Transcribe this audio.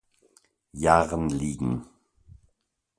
Jahren liegen.